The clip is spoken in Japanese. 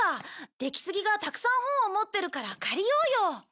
出木杉がたくさん本を持ってるから借りようよ。